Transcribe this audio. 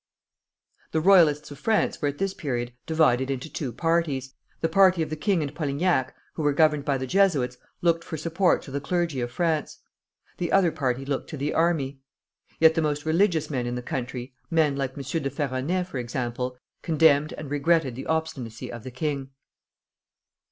The royalists of France were at this period divided into two parties; the party of the king and Polignac, who were governed by the Jesuits, looked for support to the clergy of France. The other party looked to the army. Yet the most religious men in the country men like M. de la Ferronays, for example condemned and regretted the obstinacy of the king.